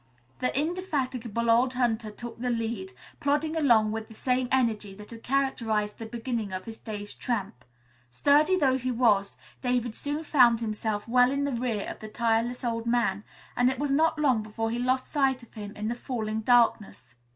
The indefatigable old hunter took the lead, plodding along with the same energy that had characterized the beginning of his day's tramp. Sturdy though he was, David soon found himself well in the rear of the tireless old man, and it was not long until he lost sight of him in the fast falling darkness.